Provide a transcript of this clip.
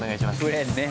プレーンね。